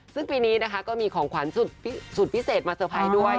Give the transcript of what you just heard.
ซึ่งปีนี้นะคะก็มีของขวัญสุดพิเศษมาเตอร์ไพรส์ด้วย